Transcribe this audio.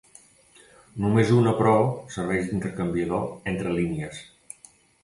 Només una però, serveix d'intercanviador entre línies.